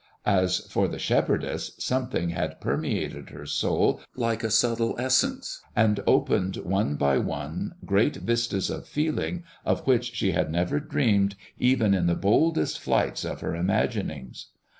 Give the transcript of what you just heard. As for the shepherdess, something had permeated her soul like a subtile essence, and opened one by one great vistas of feeling of which she had never dreamed even in the boldest flights of her imaginings.